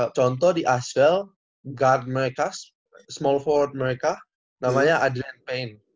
ya contoh di asheville guard mereka small forward mereka namanya adrian payne